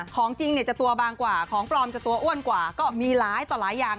ของจริงเนี่ยจะตัวบางกว่าของปลอมจะตัวอ้วนกว่าก็มีหลายต่อหลายอย่าง